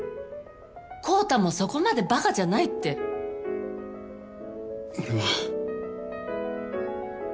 昂太もそこまでバカじゃないって。俺は。